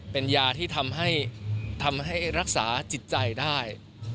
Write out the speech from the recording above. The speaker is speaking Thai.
เป็นยาที่ทำให้รักษาจิตใจได้